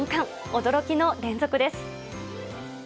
驚きの連続です。